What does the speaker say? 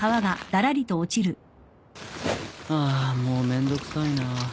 あもうめんどくさいな。